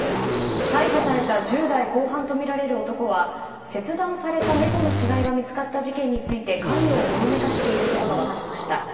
逮捕された１０代後半とみられる男は切断された猫の死骸が見つかった事件について関与をほのめかしていることが分かりました。